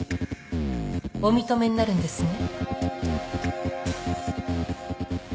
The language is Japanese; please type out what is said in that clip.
お認めになるんですね？